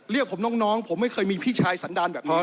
เรียกผมน้องผมไม่เคยมีพี่ชายสันดารแบบนี้